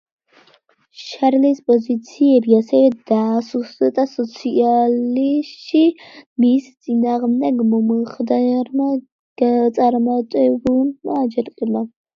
შარლის პოზიციები ასევე დაასუსტა სიცილიაში მის წინააღმდეგ მომხდარმა წარმატებულმა აჯანყებამ.